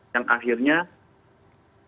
yang akhirnya dikaitkan